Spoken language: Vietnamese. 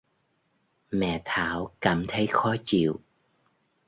mẹ Thảo cảm thấy khó chịu